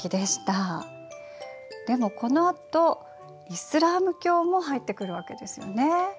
でもこのあとイスラーム教も入ってくるわけですよね。